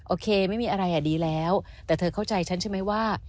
โอเคไม่มีอะไรอ่ะดีแล้วแต่เธอเข้าใจฉันใช่ไหมว่า